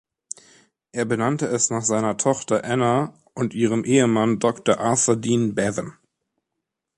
Er benannte es nach seiner Tochter Anna und ihrem Ehemann, Doktor Arthur Dean Bevan.